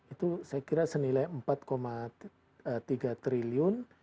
itu saya kira senilai empat tiga triliun